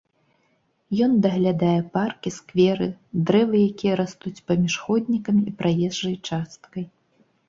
Ён даглядае паркі, скверы, дрэвы, якія растуць паміж ходнікамі і праезджай часткай.